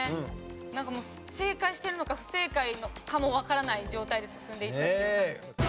なんかもう正解してるのか不正解かもわからない状態で進んでいったっていう感じ。